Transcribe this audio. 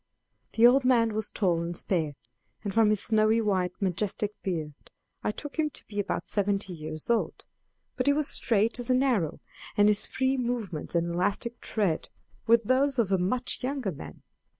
The old man was tall and spare, and from his snowy white majestic beard I took him to be about seventy years old; but he was straight as an arrow, and his free movements and elastic tread were those of a much younger man.